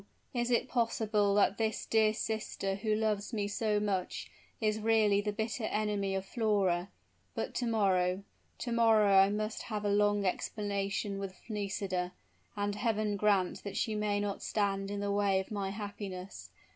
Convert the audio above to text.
is it possible that this dear sister who loves me so much, is really the bitter enemy of Flora? But to morrow to morrow I must have a long explanation with Nisida; and Heaven grant that she may not stand in the way of my happiness!